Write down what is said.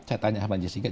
saya tanya sama jessica